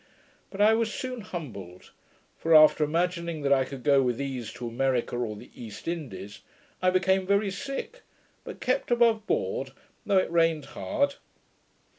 But I was soon humbled; for after imagining that I could go with ease to America or the East Indies, I became very sick, but kept above board, though it rained hard.